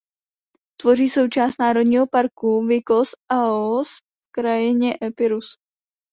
Tvoří součást národního parku Vikos–Aoös v kraji Epirus.